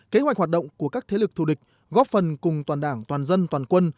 kế hoạch hoạt động của các thế lực thù địch góp phần cùng toàn đảng toàn dân toàn quân